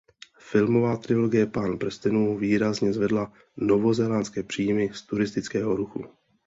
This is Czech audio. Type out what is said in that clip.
Filmová trilogie "Pán prstenů" výrazně zvedla novozélandské příjmy z turistického ruchu.